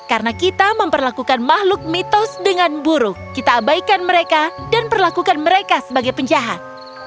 karena kita memperlakukan makhluk mitos dengan buruk kita abaikan mereka dan perlakukan mereka sebagai penjahat